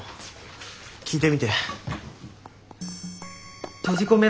聞いてみて。